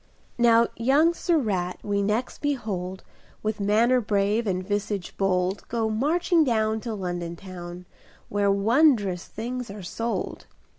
Now young Sir Rat we next behold, With manner brave and visage bold, Go marching down To London town, Where wondrous things are sold.